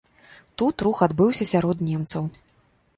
Тут рух адбыўся сярод немцаў.